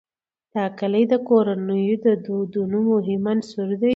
دا کلي د کورنیو د دودونو مهم عنصر دی.